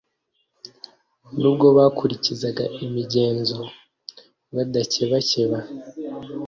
nubwo bakurikizaga imigenzo badakebakeba,